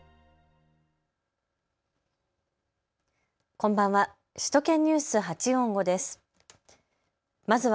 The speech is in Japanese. こんばんは。